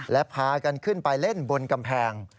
และพากันขึ้นไปเล่นบนกำแพง